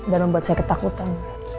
dan membuat saya ketakutan